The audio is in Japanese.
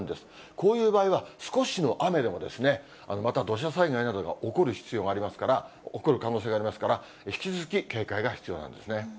こういう場合は、少しの雨でもまた土砂災害などが起こる可能性がありますから、引き続き警戒が必要なんですね。